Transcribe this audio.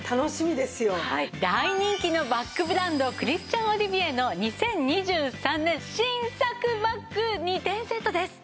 大人気のバッグブランドクリスチャン・オリビエの２０２３年新作バッグ２点セットです。